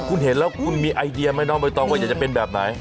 คุณเห็นแล้วคุณมีไอเดียไม่ต้องว่าจะเป็นแบบไหน